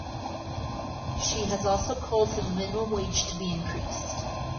She has also called for the minimum wage to be increased.